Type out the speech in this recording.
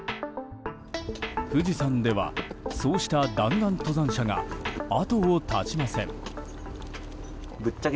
富士山ではそうした弾丸登山者が後を絶ちません。